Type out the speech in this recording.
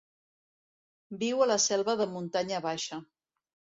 Viu a la selva de muntanya baixa.